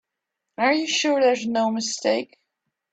Are you sure there's no mistake?